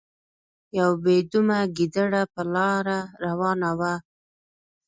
یو بې دمه ګیدړه په لاره روانه وه.